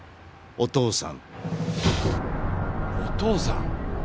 「お父さん」？